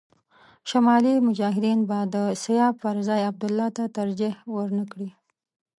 شمالي مجاهدین به د سیاف پر ځای عبدالله ته ترجېح ور نه کړي.